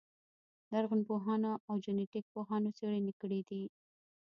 لرغونپوهانو او جنټیک پوهانو څېړنې کړې دي.